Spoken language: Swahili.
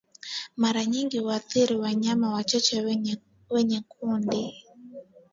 Mara nyingi huathiri wanyama wachache kwenye kundi